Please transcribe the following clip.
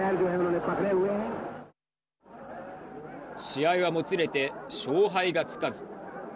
試合はもつれて勝敗がつかず。